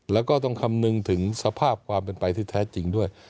แล้วก็ต้องคำนึงถึงสภาพความเป็นไปที่แท้จริงด้วย